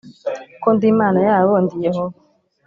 ko ndi Imana yabo Ndi Yehova